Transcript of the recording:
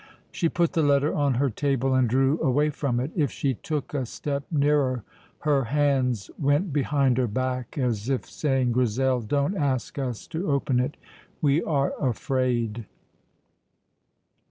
She put the letter on her table and drew away from it. If she took a step nearer, her hands went behind her back as if saying, "Grizel, don't ask us to open it; we are afraid."